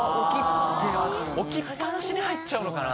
置きっぱなしに入っちゃうのかな？